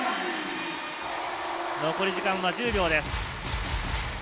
残り時間は１０秒です。